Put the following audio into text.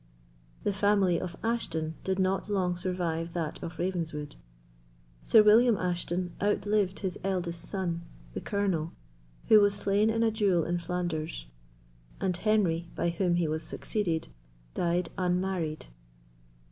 The family of Ashton did not long survive that of Ravenswood. Sir William Ashton outlived his eldest son, the Colonel, who was slain in a duel in Flanders; and Henry, by whom he was succeeded, died unmarried.